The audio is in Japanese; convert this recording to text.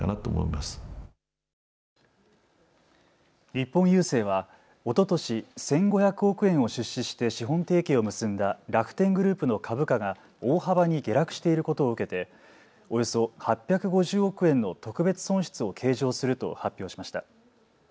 日本郵政はおととし１５００億円を出資して資本提携を結んだ楽天グループの株価が大幅に下落していることを受けておよそ８５０億円の特別損失を計上すると発表しました。